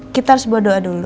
kita harus buat doa dulu